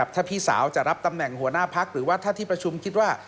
ถ้าพี่สาวจะรับตำแหน่งหัวหน้าพักหรือว่าถ้าที่ประชุมคิดว่า